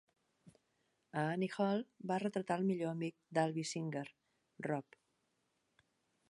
A "Annie Hall", va retratar el millor amic d'Alvy Singer, Rob.